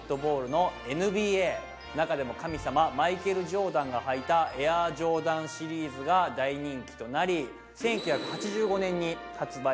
中でも神様マイケル・ジョーダンが履いたエアジョーダンシリーズが大人気となり。